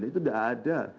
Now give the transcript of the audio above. itu sudah ada